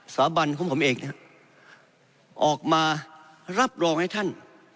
สาบันของผมเองเนี่ยออกมารับรองให้ท่าน